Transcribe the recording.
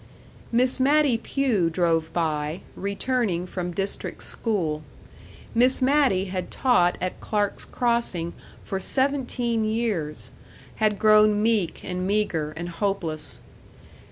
Miss Mattie Pugh drove by, returning from district school. Miss Mattie had taught at Clark's Crossing for seventeen years, had grown meek and meager and hopeless.